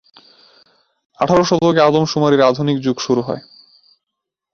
আঠারো শতকে আদমশুমারির আধুনিক যুগ শুরু হয়।